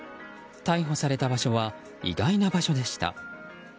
逮捕された場所は意外な場所でした。